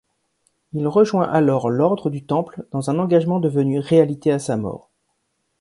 Il rejoint alors l'ordre du Temple, dans un engagement devenu réalité à sa mort.